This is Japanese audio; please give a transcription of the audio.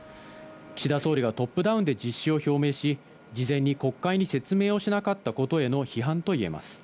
岸田総理がトップダウンで実施を表明し、事前に国会に説明をしなかったことへの批判といえます。